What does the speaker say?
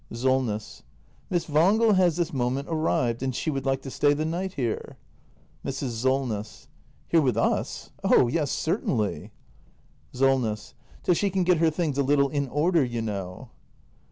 Solness. Miss Wangel has this moment arrived; and she would like to stay the night here. Mrs. Solness. Here with us ? Oh yes, certainly. Solness. Till she can get her things a little in order, you know.